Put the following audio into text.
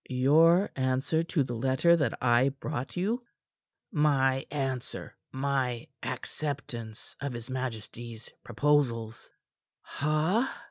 "Your answer to the letter that I brought you?" "My answer. My acceptance of his majesty's proposals." "Ha!"